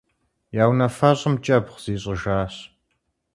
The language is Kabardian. Я унафэщӏым кӀэбгъу зищӀыжащ.